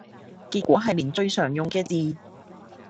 結果係連最常用嘅字